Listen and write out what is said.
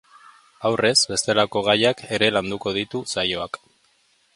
Aurrez, bestelako gaiak ere landuko ditu saioak.